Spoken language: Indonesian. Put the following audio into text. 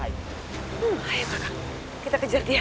ayo kakak kita kejar dia